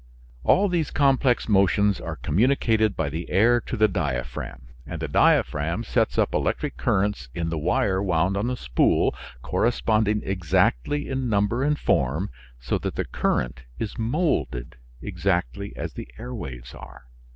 All these complex motions are communicated by the air to the diaphragm, and the diaphragm sets up electric currents in the wire wound on the spool, corresponding exactly in number and form, so that the current is molded exactly as the air waves are.